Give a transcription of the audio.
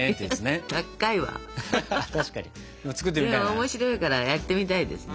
面白いからやってみたいですね。